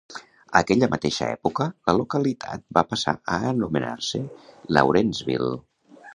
Aquella mateixa època, la localitat va passar a anomenar-se "Lawrenceville".